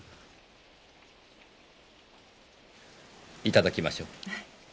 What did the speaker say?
いただきましょう。